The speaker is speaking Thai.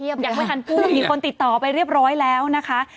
ยังไม่ทันพูดมีคนติดต่อไปเรียบร้อยแล้วนะคะ